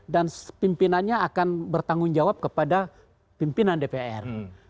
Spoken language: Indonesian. dan pimpinannya akan bertanggung jawab kepada pimpinan dpr